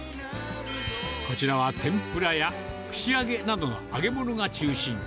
こちらは天ぷらや串揚げなどの揚げ物が中心。